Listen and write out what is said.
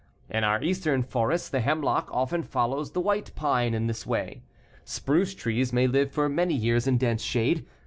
In our eastern forests the hemlock often follows the white pine in this way. Spruce trees may live for many years in dense shade.